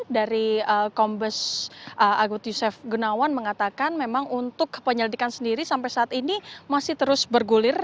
dari kombes agus yusef gunawan mengatakan memang untuk penyelidikan sendiri sampai saat ini masih terus bergulir